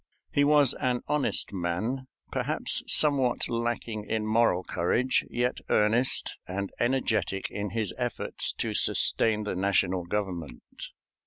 He was an honest man, perhaps somewhat lacking in moral courage, yet earnest and energetic in his efforts to sustain the national government.